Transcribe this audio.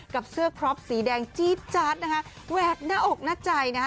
กับเสื้อครอปสีแดงจี๊ดจัดนะคะแหวกหน้าอกหน้าใจนะฮะ